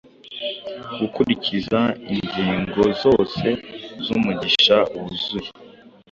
gukurikiza ingingo zose zumushinga wuzuye